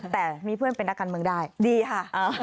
แต่มีเพื่อนเป็นนักการเมืองได้ดีค่ะ